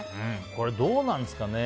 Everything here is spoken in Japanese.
これ、どうなんですかね。